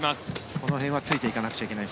この辺はついていかなくちゃいけない。